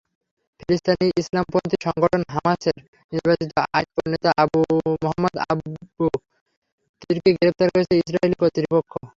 ফিলিস্তিনি ইসলামপন্থী সংগঠন হামাসের নির্বাচিত আইনপ্রণেতা মোহাম্মদ আবু তিরকে গ্রেপ্তার করেছে ইসরায়েলি কর্তৃপক্ষ।